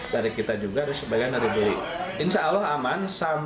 hingga saat ini belum ditemukan